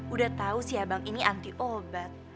udah tahu sih abang ini anti obat